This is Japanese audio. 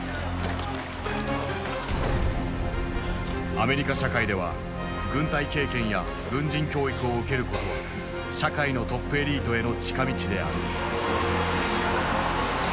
アメリカ社会では軍隊経験や軍人教育を受けることは社会のトップエリートへの近道である。